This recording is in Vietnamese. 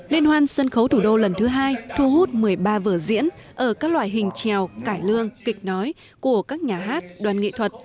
liên hoan sân khấu thủ đô lần thứ hai thu hút một mươi ba vở diễn ở các loại hình trèo cải lương kịch nói của các nhà hát đoàn nghệ thuật